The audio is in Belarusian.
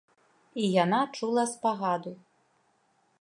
І яна чула спагаду.